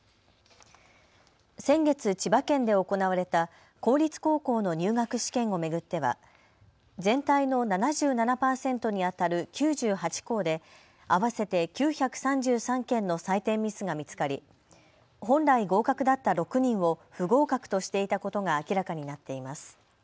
先月、千葉県で行われた公立高校の入学試験を巡っては全体の７７％にあたる９８校で合わせて９３３件の採点ミスが見つかり本来、合格だった６人を不合格としていたことが明らかになっています。